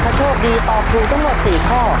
ถ้าโชคดีตอบถูกทั้งหมด๔ข้อ